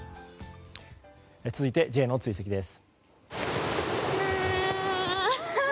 続いてＪの追跡です。